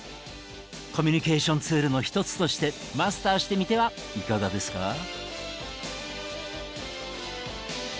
コミュニケーションツールの一つとしてマスターしてみてはいかがですか？